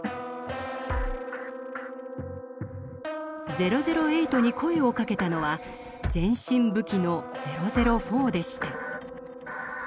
００８に声をかけたのは全身武器の００４でした。